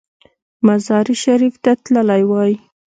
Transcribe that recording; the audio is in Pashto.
مزار شریف ته تللی وای.